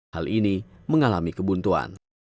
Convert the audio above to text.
hal ini mengalami kebuntuan